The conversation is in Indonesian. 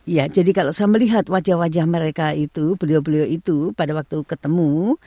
ya jadi kalau saya melihat wajah wajah mereka itu beliau beliau itu pada waktu ketemu